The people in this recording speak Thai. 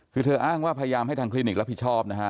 คือเธออ้างว่าพยายามให้ทางคลินิกรับผิดชอบนะฮะ